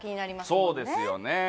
そうですよね。